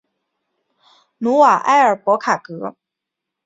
努瓦埃尔博卡格。